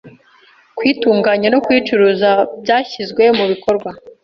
kuyitunganya no kuyicuruza byashyizwe mu bikorwa